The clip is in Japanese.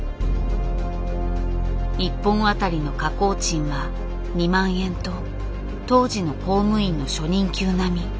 １本あたりの加工賃は２万円と当時の公務員の初任給並み。